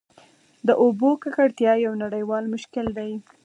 د اوبو ککړتیا یو نړیوال مشکل دی.